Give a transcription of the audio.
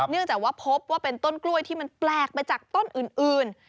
เนื่องจากว่าพบว่าเป็นต้นกล้วยที่มันแปลกไปจากต้นอื่น